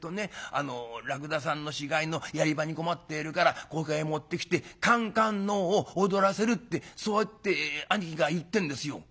あの『らくださんの死骸のやり場に困っているからここへ持ってきてかんかんのうを踊らせる』ってそうやって兄貴が言ってんですよ」。